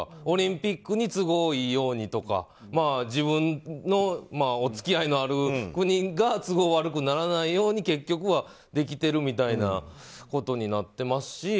オリンピックに都合いいようにとか自分のお付き合いのある国が都合悪くならないように結局はできているみたいなことになってますし。